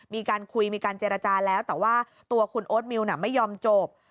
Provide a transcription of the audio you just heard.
มีการคุยมีการเจรจาแล้วแต่ว่าตัวคุณโอ๊ตมิวน่ะไม่ยอมจบ